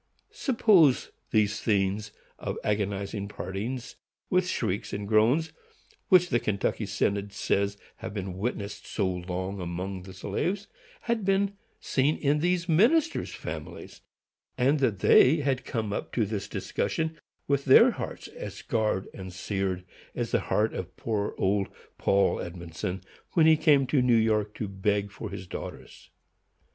Suppose these scenes of agonizing partings, with shrieks and groans, which the Kentucky Synod says have been witnessed so long among the slaves, had been seen in these ministers' families, and that they had come up to this discussion with their hearts as scarred and seared as the heart of poor old Paul Edmondson, when he came to New York to beg for his daughters.